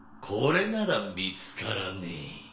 これなら見つからねえ。